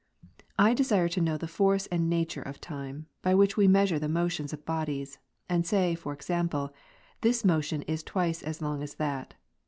30. I desire to know the force and nature of time, by which we measure the motions of bodies, and say (for example) this motion is twice as long as that.